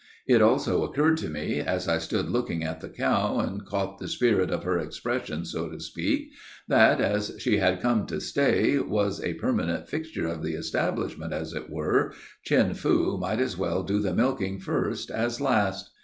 It also occurred to me, as I stood looking at the cow and caught the spirit of her expression, so to speak, that, as she had come to stay, was a permanent fixture of the establishment, as it were, Chin Foo might as well do the milking first as last.